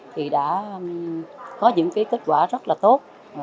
thì đã có những kết quả rất là tốt